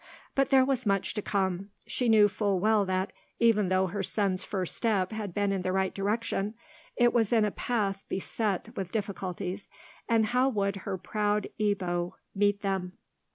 But there was much to come. She knew full well that, even though her sons' first step had been in the right direction, it was in a path beset with difficulties; and how would her proud Ebbo meet them?